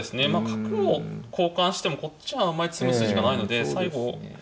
角を交換してもこっちはあんまり詰む筋がないので最後。